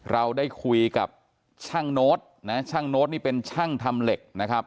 เราได้คุยกับช่างโน้ตนะช่างโน้ตนี่เป็นช่างทำเหล็กนะครับ